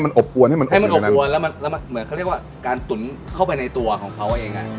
พอมองเปิดตอนเช้า